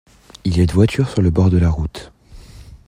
Il y a une voiture sur le bord de la route.